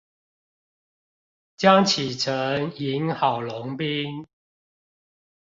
江啟臣贏郝龍斌